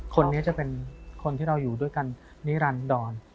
คนนี้จะเป็นคนที่เราอยู่ด้วยกันนิรันดร